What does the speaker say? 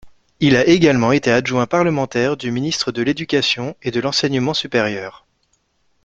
Il a également été adjoint parlementaire du ministre de l’Éducation et de l'Enseignement supérieur.